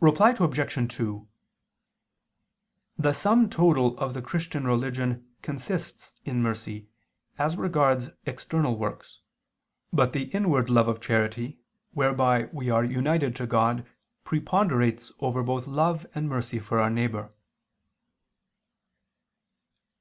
Reply Obj. 2: The sum total of the Christian religion consists in mercy, as regards external works: but the inward love of charity, whereby we are united to God preponderates over both love and mercy for our neighbor.